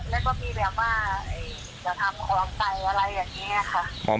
แล้วก็มีแบบว่าจะทำของใส่อะไรอย่างนี้ค่ะ